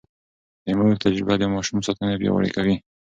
د مور تجربه د ماشوم ساتنه پياوړې کوي.